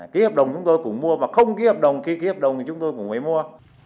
ký hợp đồng chúng tôi cũng mua và không ký hợp đồng khi ký hợp đồng thì chúng tôi cũng phải mua